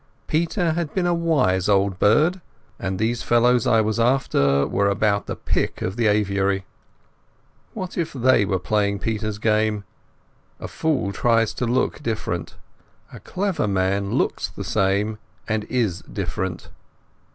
Peter had been a wise old bird, and these fellows I was after were about the pick of the aviary. What if they were playing Peter's game? A fool tries to look different: a clever man looks the same and is different.